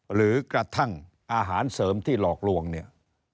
หรือกระทั่งอาหารเสริมที่หลอกลวงเนี่ย